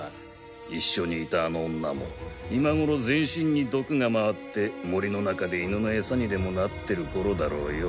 一緒にいたあの女も今ごろ全身に毒が回って森の中で犬の餌にでもなってるころだろうよ。